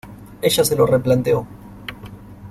Ella se lo replanteó.